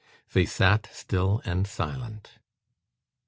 They sat, still and silent.